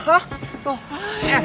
eh bisa diam gak